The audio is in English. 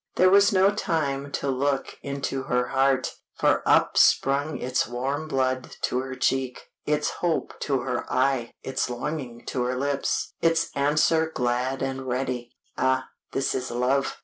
There was no time to look into her heart, for up sprung its warm blood to her cheek, its hope to her eye, its longing to her lips, its answer glad and ready "Ah, this is love!"